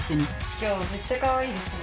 今日めっちゃかわいいですね。